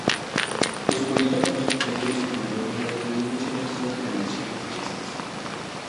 Los politopos de cruce en mayor número de dimensiones son generalizaciones de estos.